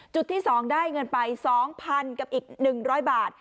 จุดที่๒ได้เงินไป๒๐๐๐กับอีก๑๐๐บาท